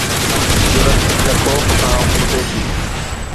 جرئت هن خوف کان ڦٽي ٿي.